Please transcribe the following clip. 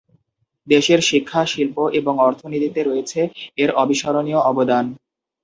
দেশের শিক্ষা, শিল্প এবং অর্থনীতিতে রয়েছে এর অবিস্মরণীয় অবদান।